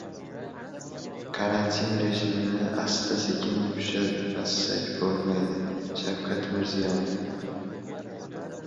«Karantin rejimini asta-sekin yumshatmasak bo‘lmaydi» – Shavkat Mirziyoyev